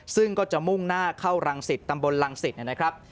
ซึ่งก็จะมุ่งหน้าเข้ารังสิตตำบลรังสิตนะครับ